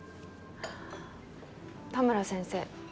田村先生